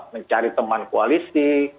mencari teman koalisi